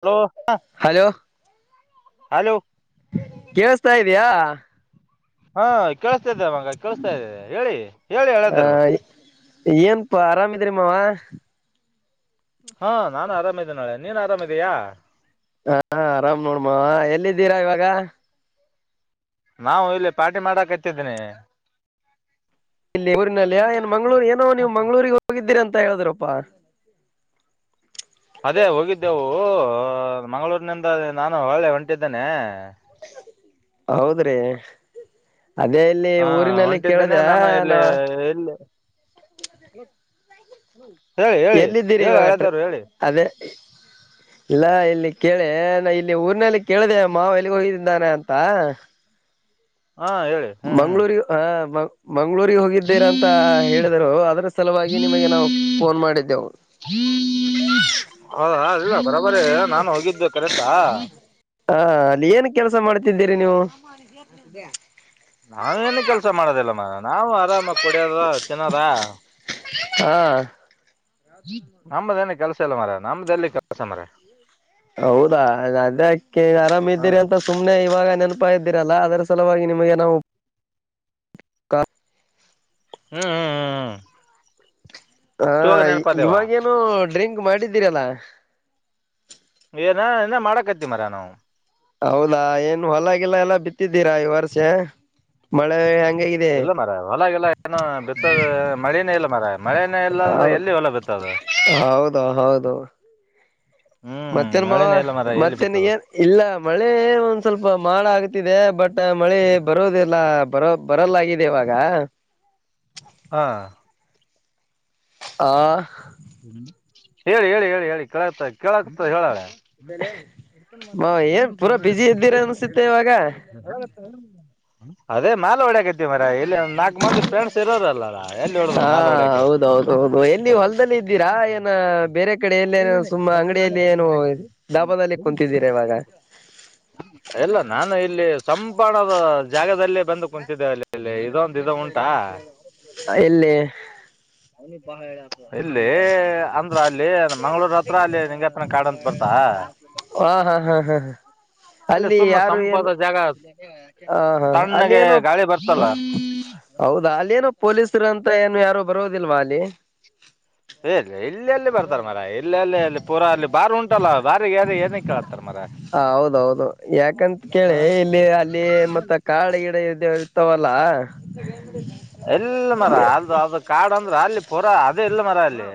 Hello hello hello ಕೇೇಳಸ್ತಾ ಇದಯಾ ಹಾ ಕಳ್ಸ್ತಾ ಇದಾರ ಮಂಗ ಕೇಳಸ್ತಾ ಇದ ಹೇಳಿ ಹೇಳಿ ಹೇಳದರು ಅಪ್ಪ ಆರಾಮಿದ್ರಿ ಮಾವ ಹಾ ನಾನು ಆರಾಮಿದೆೇ ನಾಳೆ ನೀನ್ ಆರಾಮಿದೀಯಾ ಹ ಆರಾಮ್ ನೋಡ್ಮವ ಎಲ್ಲಿದ್ದೀರಾ ಇವಾಗ ನಾವು ಇಲ್ಲಿ ಪಾರ್ಟಿ ಮಾಡಕತಿದ್ದೀನಿ ಇಲ್ಲಿ ಊರಿನಲ್ಲಿಯ ಏನ್ ಮಂಗ್ಗಳೂರ್ ಏನೋ ನೀವು್ ಮಂಗಗಳೂರಿಗೆ ಹೋಗಿದ್ದೀರಿ ಅಂತ ಹೇಳಿದ್ರಪ್ಪಾ ಅದೇ ಹೋಗಿದ್ದೆವು ಮಂಗಳೂರಿನಿಂದ ನಾನು ಒಳ್ಳೆ ಹೊಂಟಿದ್ದೇನೆ ಹೌದ್ರಿ ಅದೇ ಇಲ್ಲಿ ಹಾ ಊರಿನಲ್ಲಿ ಹೊಂಟಿದ್ದೇನೆ ಕೇಳ್ದ ನಾನು ಇಲ್ಲಿ ನಾ ಎಲ್ಲಿ ಹ್ಮ್ ಎಲ್ಲಿದ್ದೀರಿ ಇವಾಗಟ್ರೆ ಅದೇ ಇಲ್ಲಾ ಎಲ್ಲಿ ಕೇಳೆ ನ ಇಲ್ಲಿ ಊರಿನಲ್ಲಿ ಕೇಳಿದೆ ಅಮ್ಮ ಎಲ್ಲಿಗೆ ಹೋಗಿಂದಾನೆ ಅಂತ ಹಾ ಹೇಳಿ ಹ್ಮ್ ಹ್ಮ್ ಮಂಗ್ಗಳೂರು ಹ ಮಂ್ಗಳೂರಿಗೆ ಹೋಗಿದ್ದೇರ ಅಂತ ಹೇಳಿದರು ಅದ್ರ ಸಲುವಾಗಿ ನಿಮಗೆ ನಾವು ಫೋನ್ ಮಾಡಿದ್ದೆವು ಹ್ಮ ಇ ಬರಬರ ನಾನು ಹೋಗಿದ್ದು ಕರೆಕ್ಟಾ ಹಾ ಅಲ್ಲಿ ಏನ್ ಕೆಲ್ಸ ಮಾಡ್ತಿದ್ದೀರಿ ನೀವು ನಾವೇಏನು ಕೆಲ್ಸ ಮಾಡೋದಿಲ್ಲ ಮಾರ ನಾವು ಆರಾಮ ಕೊಡ್ಯದ ಜನಾರ ಹಾ ನಮ್ಮದೇನ ಕೆಲ್ಸ ಇಲ್ಲ ಮರ ನಮ್ಮ್ದ ಎಲ್ಲಿ ಕೆಲ್ಸ ಮರ ಹೌದಾ ಅದಕ್ಕೆ ಆರಾಮ್ ಹಾ ಇದ್ದೀರಿ ಹ್ಮ್ ಅಂತ ಸುಮ್ನೆ ಇವಾಗ ನೆನಪಾಯ ಇದ್ದೀರಲ್ಲ ಅದರ ಸಲುವಾಗಿ ನಿಮಗೆ ನಾವು ಹ್ಮ್ ಹ್ಮ್ ಹ್ಮ್ ಹ ಹಾ ಇವಾಗೇನು ಡ್ರಿಂಕ್ ಮಾಡಿದ್ದೀರಲ್ಲ ಏನ ಇನ್ನ ಮಾಡಕತ್ತಿ ಮರ ನಾವು ಹೌದಾ ಏನ್ ಹೊಲಗಿಲ್ಲ ಎಲ್ಲ ಬಿತ್ತಿದ್ದೀರಾ ಈ ವರ್ಷೆ ಮಳೆ ಹೆಂಗಾಗಿದೆ ಇಲ್ಲ ಮರ ಹೊಲಗಿಲ್ಲ ಏನು ಬಿತ್ತದ ಮಳೇನೇ ಇಲ್ಲ ಮರಯಾ ಮಳನೇ ಇಲ್ಲ ಅಂದ್ರೆ ಹೌದು ಎಲ್ಲಿ ಹೊಲ ಬಿತ್ತದು ಹೌದು ಹೌದು ಹ್ಮ್ ಮತ್ತೇನ್ ಮಾವ ಮಳೆನೇ ಇಲ್ಲ ಮರ ಎಲ್ಲಿ ಬಿತ್ತದು ಮತ್ತೇನ್ಗಏನ್ ಇಲ್ಲ ಮಳೆ ಒಂದ್ ಸ್ವಲ್ಪ ಮಾಳ ಆಗ ತಿದ್ದೆ ಬಟ್ ಮಳೆ ಬರೋದಿಲ್ಲ ಬರೋ ಬರಲ್ಲಾಗಿದೆ ಇವಾಗ ಹಾ ಆ ಹ್ಮ ಹೇಳಿ ಹೇಳಿ ಹೇಳಿ ಹೇಳಿ ಕೇಳ ಕೇಳಕ್ ಹೇಳ ಹೇಳಿ ಅನ್ಸುತ್ತೆ ಇವಾಗ [unintelligible] ಅದೇ ಮಾಳ ಹೊಡಿಯಾಕ್ ಮರಯಾ ಎಲ್ಲಿ ನಾಕಕ್ ಮಂದಿ ಫ್ರೆಂಡ್ಸ್ ಇರೋರಲ್ಲಾರ ಎಲ್ಲಿ ಹೊಡದ್ರು ಮಾಲ್ ಹೊಡ್ಯಕ ದಲ್ಲಿ ಇದ್ದೀರಾ ಏನ ಬೇರೆ ಕಡ ಎಲ್ಲ ಏನ ಸುಮ್ಮ ಅಂಗಡಿಯಲ್ಲಿ ಏನು ಲಾಭದಲ್ಲಿ ಕುಂತಿದ್ದೀರಾ ಇವಾಗ [inaudible] ಎಲ್ಲ ನಾನು ಇಲ್ಲಿ ಸಂಪಣದ ಜಾಗದಲ್ಲೇ ಬಂದು ಕುಂತಿದ್ದೇವೆ ಅಲ್ಲಿಲ್ಲಿ ಇದೊಂದು ಇ ಉಂಟಾ ಎಲ್ಲಿ ಇಲ್ಲಿ ಅಂದ್ರ ಅಲ್ಲಿ ಮಂಗಳೂರ್ ಹತ್ರ ಅಲ್ಲಿ ನಿಂಗಪ್ಪನ ಕಾಡಂತ ಬರ್ತ ಹಾ ಹಾ ಹ್ಮ ಹಾ ಅಲ್ಲಿ ಸುಮ್ಮ್ ಯಾರು ಏನು ಸಂಪಾದ ಜಾಗ ಹ ಹಾ ಅಲ್ಲಿ ತಣ್ಣಗೆ ಏನು ಗಾಳಿ ಬರ್ತಲ್ಲ ಹೌದಾ ಅಲ್ಲಿ ಏನು ಪೊಲೀಸರು ಅಂತ ಏನು ಯಾರೋ ಬರೋದಿಲ್ವಾ ಅಲ್ಲಿ ಇ ಇಲ್ಲ ಎಲ್ಲಿ ಬರ್ತಾರ ಮರಯಾ ಇಲ್ಲ ಅಲ್ಲೇ ಅಲ್ಲಿ ಪೂರಾ ಅಲ್ಲಿ ಬಾರ್ ಉಂಟಲ್ಲ ಬಾರಿಗೇ ಏನ ಕೇಳ್ತಾರೆ ಹ ಹೌದೌದು ಯಾಕಂತ ಕೇಳಿ ಇಲ್ಲಿ ಅಲ್ಲಿ ಮತ್ತ ಕಾಡಗಿಡ ಎಲ್ಲಾ ಇರ್ತವಲ್ಲ ಇಲ್ಲ ಮರಯಾ ಅದು ಅದು ಕಾಡು ಅಂದ್ರ ಅಲ್ಲಿ ಪುರಾ ಅದೇ ಇಲ್ಲ ಮರಯಾ ಅಲ್ಲಿ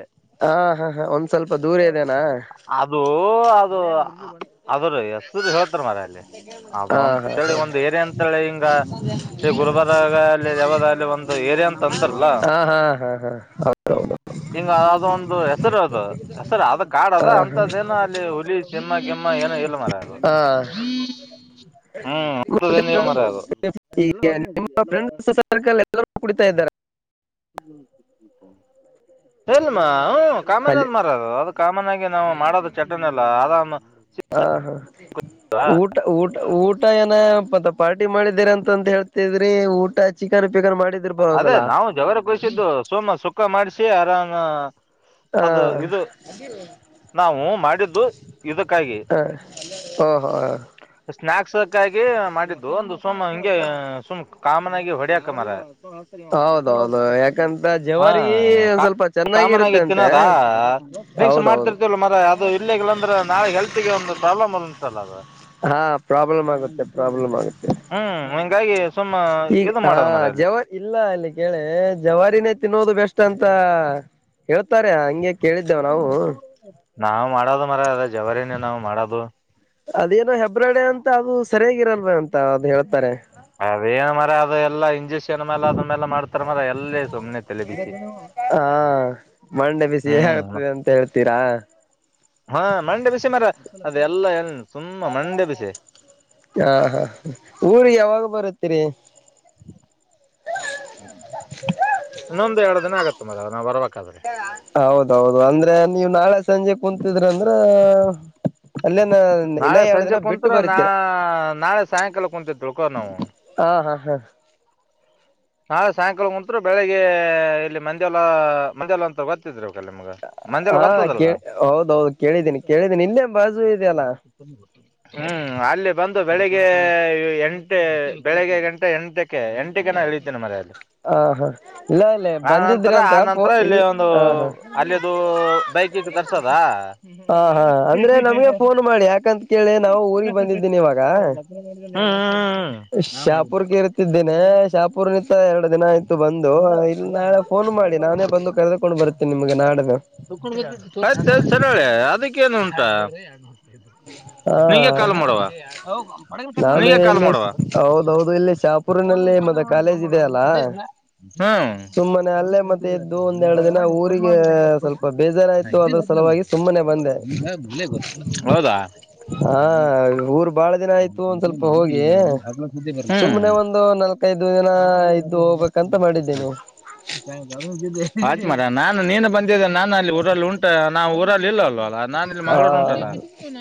ಹಾ ಹಾ ಹಾ ಒಂದ್ ಸ್ವಲ್ಪ ದೂರ ಇದೇನಾ ಓ ಅದು ಅದ್ರ ಹೆಸರು ಹೇಳ್ತಾರ ಮರಯಾ ಅಲ್ಲಿ ಅದು ಹಾ ಹಾ ಅಂತೇಳಿ ಹಾ ಒಂದು ಏರಿ ಅಂತೇಳಿ ಹಿಂಗ ಶ್ರೀ ಗುರುಬಾರ ಅಲ್ಲಿ ದೇವದಲ್ಲಿ ಒಂದು ಏರಿ ಹಾ ಹಾ ಹಾ ಹಾ ಹೌ ಹಂಗ ಅದೊಂದು ಹೆಸರು ಅದು ಹೆಸರು ಅದ ಕಾಡ್ ಹಾ ಅದ ಅಂತದು ಹಾ ಏನ ಅಲ್ಲಿ ಹುಲಿ ಸಿಂಹ ಗಿಮ್ಮಾ ಏನೋ ಎಲ್ಲ ಮರಯಾ ಅದು ಹಾ ಹ್ಮ್ ಅಂತದೇನು ಇಲ್ಲ ಮಾರಾಯ ಅದು ನಿಮ್ಮ ಫ್ರೆಂಡ್ಸ್ ಸರ್ಕಲ್ ಎಲ್ಲರ ಕುಡಿತಾಯಿದ್ದಾರ ಏನ್ಮಾ ಎಲ್ಲಾ ಕಾಮನ್ದು ಅಲ್ಲಿ ಮಾರಯಾ ಅದು ಕಾಮನ್ ಆಗಿ ನಾವು ಮಾಡೋದು ಚಟ್ಟನೆ ಎಲ್ಲ ಆರಾಮ ಹ ಹಾ ಊಟ ಊಟ ಊಟ ಏನಪ್ಪ ಪಪಾರ್ಟಿ ಪಾರ್ಟಿ ಮಾಡಿದೀರ ಅಂತಂತ ಹೇಳ್ತಿದ್ರಿ ಊಟ ಚಿಕ್ಕ ಅದೇ ನಾವು ಜವರ ಕುಯಿಸಿದ್ದು ಸೋಮ ಸುಖ ಮಾಡಿಸಿ ಆರಾಮ ಹಾ ಅದು ಇದು ನಾವು ಮಾಡಿದ್ದು ಇದಕ್ಕಾಗಿ ಹ ಹ ಹ ಹ ಸ್ನಾಯಕ್ಸ್ಕ್ಕಾಗಿ ಮಾಡಿದ್ದು ಒಂದು ಸುಮ್ ಹಿಂಗೆ ಸುಮ್ ಕಾಮನ್ ಆಗಿ ಹೊಡಾಯಕ್ಕ ಮಾರಾಯ ಹೌದೌದು ಯಾಕಂತ ಜವಾರಿ ಹ ಸ್ವಲ್ಪ ಕಾಮನ್ ಆಗಿ ಚೆನ್ನಾಗಿರುತ್ತೆ ಅಂತೆ ತಿನೋದ ಡ್ರಿಂಕ್ಸ್ ಹೌದೌದು ಮಾಡ್ತಿರ್ತಿವಲ್ಲ ಮರಯಾ ಅದು ಇಲ್ಲಿ ಇಗ್ ಅಂದ್ರೆ ನಾಳೆ ಹೆಲ್ತ್ಗೆ ಒಂದು ಪ್ರಾಬ್ಲಮ್ ಉಂಟಲ್ಲ ಅದು ಹಾ ಪ್ರಾಬ್ಲಮ್ ಆಗುತ್ತೆ ಪ್ರಾಬ್ಲಮ್ ಆಗುತ್ತೆ ಹ್ಮ್ಮ್ ಇಂಗಾಗಿ ಸುಮ್ಮ ಈಗ ಇದು ಹ ಮಾಡದ್ ಮರ ಅಲ್ಲಿ ಜವಾರಿ ಇಲ್ಲ ಇಲ್ಲಿ ಕೇಳಿ ಜವಾರಿನೇ ತಿನ್ನೋದು ಬೆಸ್ಟ್ ಅಂತ ಹೇಳ್ತಾರ ಹಂಗೆ ಕೇಳಿದ್ದೇವ್ ನಾವು ನಾವು ಮಾಡೋದು ಮರಯಾ ಅದ ಜವರಿನೇ ನಾವು ಮಾಡೋದು ಅದೇನೋ ಹೆಬ್ರಾಡೆ ಅಂತ ಅದು ಸರಿಯಾಗಿ ಇರಲ್ವಾ ಅಂತ ಅದು ಹೇಳ್ತಾರೆ ಅದೇನ್ ಮರ ಅದು ಎಲ್ಲಾ ಇಂಜೆಕ್ಷನ್ ಮೇಲೆ ಅ ಲ್ಲ ಮಾಡ್ತಾರ ಮ್ರ ಎಲ್ಲೇ ಸುಮ್ಮನೆ ತಲೆಬಿಸಿ ಹಾ ಮಂಡೆ ಬಿಸಿ ಹೇಗಾಗತದೆ ಅಂತ ಹೇಳ್ತೀರಾ ಹಾ ಮಂಡೆ ಬಿಸಿ ಮರ ಅದೆಲ್ಲಾ ಎಏನ್ ಹಾ ಹಾ ಊರಿಗೆ ಯಾವಾಗ ಬರುತ್ತೀರಿ ಹ್ಮ್ ನೊಂದು ಎರಡು ದಿನ ಆಗತ್ತೆ ಮದ ನಾವ್ ಬರ್ವ ಹೌದೌದು ಅಂದ್ರೆ ನೀವು್ ನಾಳೆ ಸಂಜೆ ಕುೂಂತಿದ್ರ ಅಂದ್ರ ಹ ಅಲ್ಲ ನಾಳೆ ಸಂಜೆ ಕುತ್ರ ನಾ ನಾಳೆ ಸಾಯಂಕಾಲ ಕುಂತಿದವಿಳ್ಕೋ ನಾವು ಹಾ ಹಾ ಹಾ ನಾಳೆ ಸಾಯಂಕಾಲ ಮುಂತ್ರು ಬೆಳಿಗ್ಗೆ ಇಲ್ಲಿ ಮಂಜ ಎಲ್ಲ ಮಜಲ್ಲ ಅಂತ ಗೊತ್ತಿದ್ರು ಮಗ ಮಂದೆಲ್ಲ ಹಾ ಗತ್ತದಲ್ಲ ಕೇಳ ಹೌದೌದು ಕೇಳಿದ್ದೀನಿ ಕೇಳಿದ್ದೀನಿ ಇಲ್ಲೇ ಬಾಜು ಇದೆಯಲ್ಲ ಹ್ಮ್ ಅಲ್ಲಿೇ ಬಂದು ಬೆಳಿಗ್ಗೆ ಎಂಟ ಬೆಳಿಗ್ಗೆ ಗಂಟೆ ಎಂಟಕ್ಕೆ ಎಂಟಕ್ಕೆ ನಾನು ಇಳಿತೇನೆ ಮನೆಯಲ್ಲಿ ಹ ಹಾ ಇಲ್ಲ ಇಲ್ಲ ಆ ಬಂದಿದ್ರಿ ನಂತರ ಅಂತ ಫೋ ಆನಂತರ ಇಲ್ ಇಲ್ಲಿ ಒಂದು ಹ ಹಾ ಅಲ್ಲಿದು ಬೈಕಿಿಗೆ ತರ್ಸೋದಾ ಹಾ ಹಾ ಅಂದ್ರೆ ನಮ್ಗೆ ಫೋನ್ ಮಾಡಿ ಯಾಕಂತ ಕೇಳಿ ನಾವು ಊರಿಗೆ ಬಂದಿದ್ದೀನಿ ಇವಾಗ ಹಾ ಶಾಪುರ್ಗೆ ಇರ್ತಿದ್ದೇನೆ ಶಾಪುರ್ ಪೂರ್ನಿತ ಎರ ದಿನ ಆಯತು ಬಂದು ಇಲ್ಲಿ ನಾಳೆ ಫೋನ್ ಮಾಡಿ ನಾನೇ ಬಂದು ಕರೆದಕೊಂಡು ಬರ್ತೀಿ ನಿಮಗೆ ನಾಡ ಮೇಲೆ ಆಯ್ತ ಸರಳೆ ಅದಕ್ಕೇನುಂಟ ಹಾ ನಾನು ನಿಂಗೆ ಕಾಲ್ ಎಲ್ಲ ಮಾಡುವ ಹೌದೌದು ಎಲ್ಲ ಚಾಪುರ್ನಲ್ಲ [unintelligible] ಡ್ ಗ ಸುಮ್ಮನೆ ಅಲ್ಲೇ ಮತ್ತೆ ಎದ್ದು ಒಂದೆರಡು ದಿನ ಊರಿಗೆ ಸ್ವಲ್ಪ ಬೇಜಾರಾಯ್ತು ಅದ್ರ ಸಲುವಾಗಿ ಸುಮ್ಮನೆ ಬಂದೆ ಗೊತ್ತಿಲ್ಲ ಹೌದಾ ಅ ಹಾ ಊರ್ ಬಾಳ ದಿನ ಆಯ್ತು ಒಂದ್ ಸ್ವಲ್ಪ ಮಾಡವಿ ಹೋಗಿ ಮ ಹಗ್ಲ್ದ ಬರ್ ಸುಮ್ನೆ ಒಂದು ನಾಲ್ಕೈದು ದಿನ ಹ ಇದ್ದು ಹೋಗ್ಬೇಕಂತ ಮಾಡಿದ್ದೇನೆ ಮಾಡ ನಾನು ನೀನು ಬಂದಿದೆೆ ನಾನು ಅಲ್ಲಿ ಊರಲ್ಲಿ ಉಂಟ ನಾವು ಊರಲ್ಲಿ ಇಲ್ಲಲ್ವ ಹಾ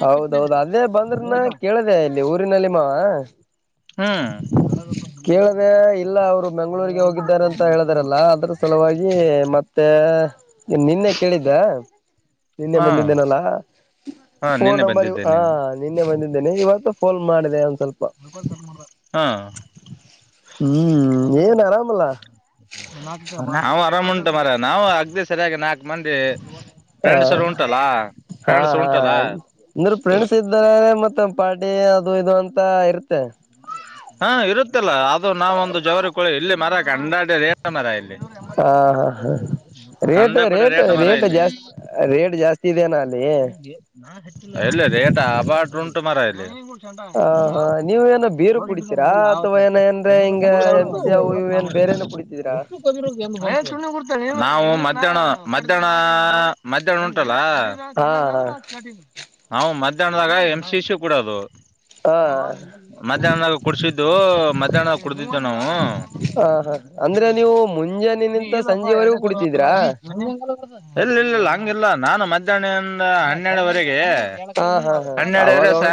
ಹೌದೌದು ಅದೇ ಬಂದ್ರನ ಕೇಳಿದೆ ಇಲ್ಲಿ ಊರಿನಲ್ಲಿ ಮಾ ಹ್ಮ ಇಲ್ಲ ಅವರು ಬೆಂಗಳೂರಿಗೆ ಹೋಗಿದ್ದಾರೆ ಅಂತ ಹೇಳಿದಾರಲ್ಲ ಅದ್ರ ಸಲುವಾಗಿ ಮತ್ತೆ ನಿನ್ನೆ ಕೇಳಿದ್ದ ನಿನ್ನೆ ಹಾ ಬಂದಿದ್ದೇನಲ್ಲ ಹಾ ಫೋನ್ ನಿನ್ನೆ ನಂಬರ್ ಇ ಬಂದಿದ್ದೆ ಹಾ ನೀನು ನಿನ್ನೆ ಬಂದಿದ್ದೇನೆ ಇವತ್ತು ಫೋನ್ ಮಾಡಿದೆ ಸ್ವಲ್ಪ ಹಾ ಹ್ಮ್ ಹದಾರ ಏನ್ ಆರಾಮಲ್ಲ ನಾ್ ಆರಾಮ್ ಉಂಟ ಮರ ನಾವು ಅಗ್ದಿ ಸರಿಯಾಗಿ ನಾಕ್ ಮಂದಿ ಹಾ ಫ್ರೆಂಡ್ಸರು ಉಂಟಲ್ಲ ಹಾ ಫ್ರೆಂಡ್ಸ್ ಹಾ ಉಂಟಲ್ಲ ಇ್ರ ಫ್ರೆಂಡ್ಸ್ ಇದ್ದಾರೆ ಮತ್ತ ಪಾಟಿ ಅದು ಇದು ಅಂತ ಇರ್ತ ಹಾ ಇರುತ್ತಲ್ಲ ಅದು ನಾವೊಂದು ಜವರ ಕೊಳಿ ಇಲ್ಲಿ ಮರಕ್ಕೆ ಅಂಡಾಡ ಮರಲ್ಲ ಹಾ ಹಾ ಹಾ ರೇಟ್ ಕಂಡಪಟ್ಟ ರೇಟ್ ರೇಟ ಮರ ರೇಟ್ ಇಲ್ಲೇ ಜಾಸ್ತಿ ರೇಟ್ ಜಾಸ್ತಿ ಇದೆನಾ ಅಲ್ಲಿ ಇಲ್ಲಿ ರೇಟ ಆಬಾಟ್ ಉಂಟು ಮರ ಇಲ್ಲಿ ಹ ಹಾ ನೀವ ಏನು ಬೀರು ಕುಡಿತೀರಾ ಅಥವಾ ಏ ಏನ್್ರೆ ಹಿಂಗ ಎನ್್ಸಿವು ಇವು ಏನ್ ಬೇರೆ ಏನ ಕುಡಿತಿದೀರಾ ನಾವು ಮಧ್ಯಾಹ್ನ ಮಧ್ಯಾಹ್ನ ಮಧ್ಯಾಹ್ನ ಉಂಟಲ್ಲ ಹಾ ಹಾ ನ ಮಧ್ಯಾಹ್ನದಾಗ ಎಂ್ ಸಿಶು ಕೂಡದು ಹಾ ಮಧ್ಯಾಹ್ನದಾಗ ಕುಡಸಿದ್ದು ಮಧ್ಯಾಹ್ನದಾಗ ಕುಡಿದ್ದು ನಾವು ಹ ಅಂದ್ರೆ ನೀವು ಮುಂ ನೀ ಇಲ್ಲಪ್ಪ ಎರ ಸರ ಇಲ್ಲ ಇ ಇ ಹಂಗಿಲ್ಲ ನಾನು ಮಧ್ಯಾಹ್ನದಿಂದ ಹನ್ನೆರಡು ವರೆಗೆ ಹಾ ಹಾ ಹಾ ಹನ್ನೆರಡುವರೆ ಅವಾಗ ಸಾ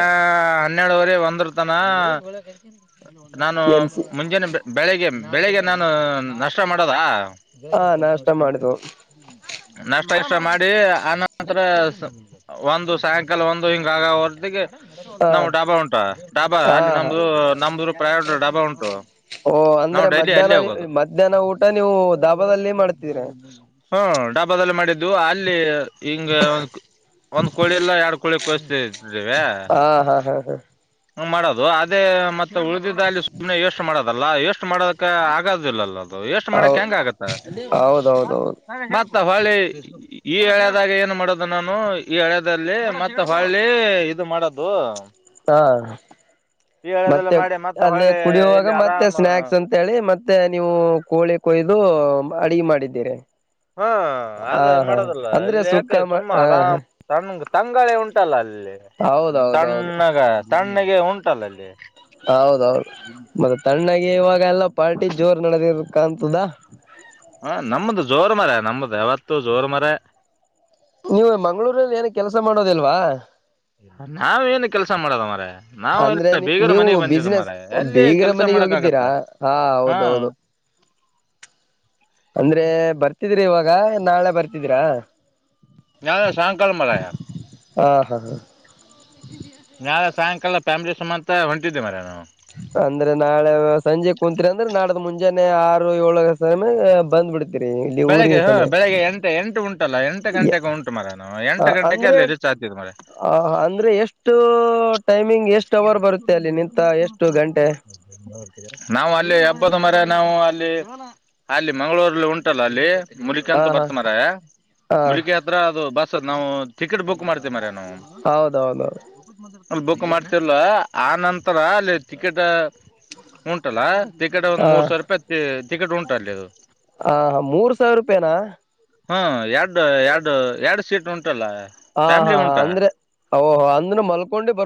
ಹನ್ನೆರಡುವರೆ ಒಂದ್ರು ತನ ನಾನು ಎಂ ಸಿ ಮುಂಜಾನೆ ಬೆ ಬೆಳಿಗ್ಗೆ ಬೆಳಿಗ್ಗೆ ನಾನು ನಾಷ್ಟ ಮಾಡೋದ ಹ ನಾಷ್ಟ ಮಾಡಿದ್ವು ನಾಷ್ಟ ಗಿಷ್ಟ ಮಾಡಿ ಆನಂತರ ಒಂದು ಸಾಯಂಕಾಲ ಒಂದು ಹಿಂಗ ಆಗ ಹೊರ್ದಿಗೆ ಹ ನಾವು ಡಾಬಾ ಉಂಟಾ ಡಾಬಾ ಹಾ ಅಲ್ಲಿ ಹಾ ನಮ್ದು ನಮ್ದರು ಪ್ರೈವೇಟ್ ಡಾಬಾ ಉಂಟು. ಓ ನಾವು ಅಂದ್ರೆ ಡೈಲಿ ಮಧ್ಯಾಹ್ನ ಅಲ್ಲೇ ಹೋಗೋದು. ಮಧ್ಯಾಹ್ನ ಊಟ ನೀವು ದಾಬಾದಲ್ಲಿ ಮಾಡ್ತಿದೀರಾ ಹ್ಮ ಡಾಬಾದಲ್ಲೇ ಮಾಡಿದ್ದು ಅಲ್ಲಿ ಹಿಂಗ ಒನ್ ಒಂದ್ ಕೋಳಿ ಇಲ್ಲ ಎರಡ್ ಕೋಳಿ ಕೊಯ್ಸ್ತೀವ್. ಆ ಹಾ ಹಾ ಹ ಹ್ಮ ಮಾಡೋದು ಅದೇ ಮತ್ತೆ ಉಳಿದಿದ ಅಲ್ಲಿ ಸುಮ್ನೆ ಎಷ್ಟು ಮಾಡೋದಲ್ಲ ವೆಷ್ಟು ಮಾಡೋದಕ್ಕೆ ಆಗೋದಿಲ್ಲಲ್ಲದ್ ಅ ವೆಷ್ಟು ಹೌ ಮಾಡಕ್ ಹೆಂಗ ಆಗತ್ತ ಹೌದೌದೌದು ಮ ಮತ್ತ ಹೊಳೆ ಈ ಹಳ್ಯದಾಗ ಏನ್ ಮಾಡೋದು ನಾನು ಈ ಹಳ್ಯದಲ್ಲಿ ಮತ್ ಹೊಳೆ ಇದು ಮಾಡದು. ಹಾ ಮತ್ತೆ ಮಾಡಿ ಮತ್ತ ಅದೇ ಹೊಳ್ಳಿ ಕುಡಿಯುವಾಗ ಇಲ್ಲಿ ಮತ್ತೆ ಆರಾಮ ಸ್ನಾಕ್ಸ್ ಅಂತೇಳಿ ಮತ್ತೆ ನೀವು ಕೋಳಿ ಕೊಯ್ ದು ಅಡುಗೆ ಮಾಡಿದ್ದೀರಿ. ಹಾ ಹಾ ಅದೆ ಹಾ ಮಾಡೋದಲ್ಲ ಅಲ್ ಅಂದ್ರೆ ಸುಕ್ಕ ಯಾಕೆ ಸುಮ್ಮ ಹ ಆರಾಮ್ ತಣ್ ತಂಗಾಳಿ ಉಂಟಲ್ಲ ಅಲ್ಲಿ ಹೌದೌದೌದು ತಣ್ಣಗ ತಣ್ಣಗೆ ಉಂಟಲ್ಲ ಅಲ್ಲಿ. ಹೌದೌದು ಮತ್ತೆ ತಣ್ಣಗೆ ಇವಾಗೆಲ್ಲ ಪಾರ್ಟಿ ಜೋರ್ ನಡೆದಿರಕ್ಕಾಂತದ. ಹ ನಮ್ದು ಜೋರ್ ಮರಯ ನಮ್ದ್ ಯಾವತ್ತು ಜೋರ್ ಮರಾಯ್. ನೀವು ಮಂಗ್ಗಳೂರಲ್ಲಿ ಏನು ಕೆಲಸ ಮಾಡೋದಿಲ್ವಾ. ನಾವ್ ಏನು ಕೆಲ್ಸ ಮಾಡಲ್ಲ ಮಾರೆ. ಅಂದ್ರೆ ನಿ ನೀವು ಬಿಸ್ನೆಸ್ ಎಲ್ಲಿ ಬೀಗರ ಕೆಲಸ ಮನೆಗೆ ಮಾಡಕ್ ಹೋಗಿದ್ದೀರಾ ಆಗತ್ತ ಹಾ ಹೌದೌದು. [inaudible] ಅಂದ್ರೆ ಬರ್ತಿದ್ರಿ ಇವಾಗ ನಾಳೆ ಬರ್ತಿದೀರಾ, ನಾಳೆ ಸಾಯಂಕಾಲ ಮರಾಯ. ಹ ಹಾ ಹ ನಾಳೆ ಸಾಯಂಕಾಲ ಫ್ಯಾಮಿಲಿ ಸುಮಂತ ಹೊಂಟಿದ್ದೆವ್ ಮರಯ ನಾವು. ಅಂದ್ರೆ ನಾಳೆ ವ್ಯಾಸ್ ಸಂಜೆ ಕುಂತ್ರಿ ಅಂದ್ರೆ ನಾಡ್ದ ಮುಂಜಾನೆ ಆರು ಏಳಗ್ ಸಮಯ ಬಂದ್ ಬಿಡ್ ಬೆಳಗ್ಗೆ ಹ ಬೆಳಿಗ್ಗೆ ಎಂಟು ಎಂಟು ಉನ್ ಉಂಟಲ್ಲ ಎಂಟು ಗಂಟೆಗೆ ಉಂಟ ಮರೆ ನಾವು ಎಂಟ ಗಂಟೆಗೆ ಅಂದ್ರೆ ಅಲ್ಲಿ ರೀಚ್ ಆತಿದ್ ಮರೆ. ಆ ಅಂದ್ರೆ ಎಷ್ಟು ಟೈಮಿಂಗ್ ಎಷ್ಟು ಅವರ್ ಬರುತ್ತೆ ಅಲ್ಲಿ ನಿಂತ ಎಷ್ಟು ಗಂಟೆ. ನಾವು ಅಲ್ಲಿ ಹಬ್ಬದ ಮರೆ ನಾವು ಅಲ್ಲಿ ಅಲ್ಲಿ ಮಂಗ್ಳೂರಲ್ಲಿ ಉಂಟಲ್ಲ ಅಲ್ಲಿ ಮುಲಿಕಿ ಹ ಅಂತ ಹಾ ಬರ್ತ ಮರೆ ಹ ಮುಲಿಕೆ ಹತ್ರ ಅದು ಬಸ್ ನಾವು ಟಿಕೆಟ್ ಬುಕ್ ಮಾಡ್ತೀವಿ ಮರೆ. ನಾವು ಹೌದೌದೌದು ಅಲ್ ಬುಕ್ ಮಾಡ್ತೆ ವಲ್ಲ ಆ ನಂತರ ಅಲ್ಲಿ ಟಿಕೆಟ್ ಉಂಟಲ್ಲ ಟಿಕೆಟ್ ಒಂದು ಹ ಮೂರ್ ಸಾವಿರ ರೂಪಾಯಿ ಟಿಕೆಟ್ ಉಂಟು ಅಲ್ಲಿ ಅದು. ಆ ಮೂರು ಸಾವಿರ ರೂಪಾಯ್ನ ಹ್ಮ ಎರಡು ಎರಡು ಎರಡು ಸೀಟ್ ಉನ್ ಹಾ ಹಾ ಅಂದ್ರೆ ಓಹ ಅಂದ್ರುನು ಮಲ್ಕೊಂಡಿ ಬ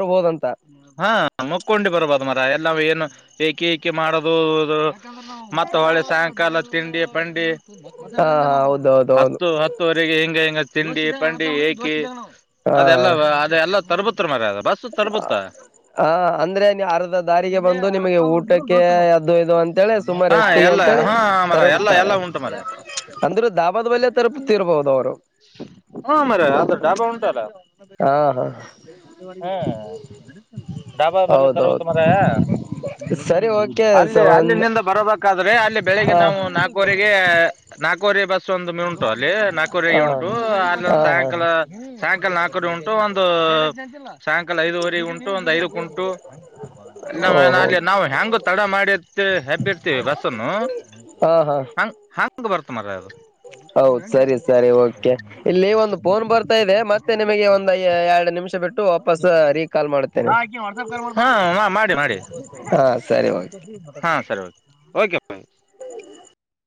ಹಾ ಮುಕ್ಕೊಂಡಿ ಬರ್ಬೋದು ಮರೆ ಎಲ್ಲವು ಏನು ಏಕಿ ಏಕಿ ಮಾಡೋದು ಮತ್ತೆ ಒಳ್ಳೆ ಸಾಯಂಕಾಲ ತಿಂಡಿ ಪಂಡಿ ಹಾ ಹೌದೌದ ಹೌದು ಹತ್ತು ಹತ್ತುವರೆಗೆ ಹಿಂಗ ಹಿಂಗ ತಿಂಡಿ ಪಂಡಿ ಏಕಿ ಹಾ ಅದೆಲ್ಲ ಅದೆಲ್ಲ ತರ್ಬುತ್ರ್ ಮರ್ಯ ಅದ್ ಬಸ್ಸ ತರ್ಬುತ್ ಹ ಅಂದ್ರೆ ನೀ ಅರ್ಧ ದಾರಿಗೆ ಬಂದು ನಿಮಗೆ ಊಟಕ್ಕೆ ಅದು ಇದು ಅಂತೇಳೆ ಸುಮಾರು ಹಾ ಎಷ್ ತಿಗ್ ಎಲ್ಲ ಅಂತೇಳಿ ಹಾ ಮರ ಎಲ್ಲ ತರಪುತ್ತಾರೆ ಎಲ್ಲ ಉಂಟು ಮರ ಅಂದ್ರು ಧಾಬಾದ್ ಬಲ್ಲಿಯ ತರುಪುತ್ತಿರಬಹುದು ಅವ್ರು. ಹಾ ಮರಯ ಅದ ಡಾಬಾ ಉಂಟಲ್ಲ. ಹಾ ಹಾ ಹ ಡಾಬಾ ಬರ್ಲಿ ತರ್ವುತ್ ಹೌದೌದು ಮರಯ. ಸರಿ ಓಕೆ ಅಲ್ಲಿ ಒಂದ್ ಅಲ್ಲಿನಿಂದ ಬರಬೇಕಾದ್ರೆ ಅಲ್ಲಿ ಬೆಳಿಗ್ಗೆ ಹ ನಾವು ನಾಕುವರೆಗೆ ನಾಲ್ಕೂರಿ ಬಸ್ ಒಂದ ಮ ಉಂಟು ಅಲ್ಲಿ ನಾಲ್ಕೂರಿ ಹಾ ಉಂಟು ಅಲ್ಲಿೊಂದ ಹಾ ಹಾ ಸಾಯಂಕಾಲ ಸಾಯಂಕಲ್ ನಾಲ್ಕರು ಉಂಟು ಒಂದು ಸಾಯಂಕಾಲ ಐದುವರೆ ಉಂಟು ಒಂದ್ ಐದಕ್ ಉಂಟು ಓಹೋ ನಾವು ಹೆಂಗು ತಡ ಮಾಡಿ ಹೆಬ್ಬ ಇರ್ತವಿ ಬಸ್ನ್ನು ಹಾ ಹಾ ಹ ಬರ್ತ ಮರ ಅದು ೆ ಇಲ್ಲಿ ಒಂದು ಫೋನ್ ಬರ್ತಾ ಇದೆ ಮತ್ತೆ ನಿಮಗೆ ಒಂದು ಎರಡು ನಿಮಿಷ ಬಿಟ್ಟು ವಾಪಸ್ೀ ಹ ಮಾಡಿ ಮಾಡಿ ಹಾ ಸರಿ ಓಕೆ ಹಾ ಸರಿ ಓಕೆ ಬಾಯ ಹ